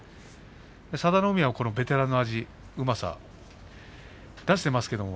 佐田の海はベテランの味、うまさ出していますけれど